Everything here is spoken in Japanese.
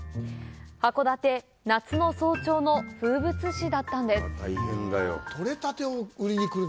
函館、夏の早朝の風物詩だったんです。